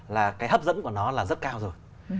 là cái hấp dẫn của nó là rất cao rồi